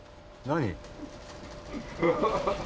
何？